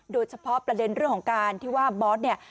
โดยเฉพาะประเด็นเรื่องของการที่ว่าบอสเนี่ย